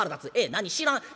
何知らん？